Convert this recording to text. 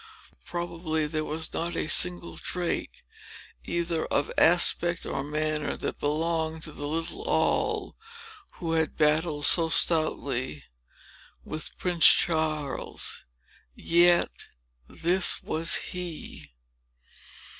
Probably there was not a single trait, either of aspect or manner, that belonged to the little Noll, who had battled so stoutly with Prince Charles. Yet this was he!